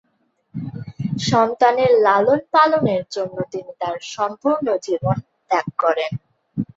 সন্তানের লালন-পালনের জন্য তিনি তার সম্পূর্ণ জীবন ত্যাগ করেন।